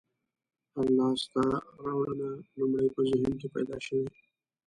هره لاستهراوړنه لومړی په ذهن کې پیدا شوې.